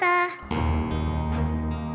tante mau belajar ngaji